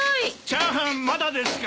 チャーハンまだですか？